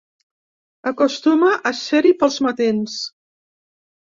Acostuma a ser-hi pels matins.